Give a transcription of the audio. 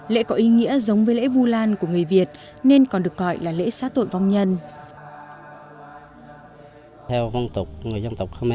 lễ có ý nghĩa giống với lễ sèn đôn ta